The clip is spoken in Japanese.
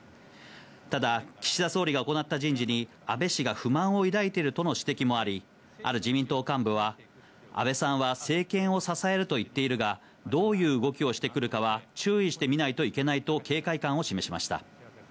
ただ、岸田総理が行った人事に、安倍氏が不満を抱いているとの指摘もあり、ある自民党幹部は、安倍さんは政権を支えると言っているが、どういう動きをしてくるかは、注意して見ないといけないと警戒感を示しました。